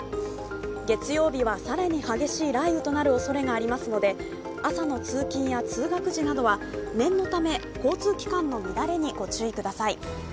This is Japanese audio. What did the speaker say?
月曜日は更に激しい雷雨となるおそれがありますので朝の通勤や通学時などは念のため交通機関の乱れにご注意ください。